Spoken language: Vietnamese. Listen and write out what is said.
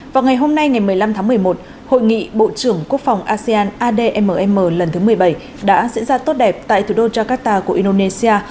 vào ngày hôm nay ngày một mươi năm tháng một mươi một hội nghị bộ trưởng quốc phòng asean admm lần thứ một mươi bảy đã diễn ra tốt đẹp tại thủ đô jakarta của indonesia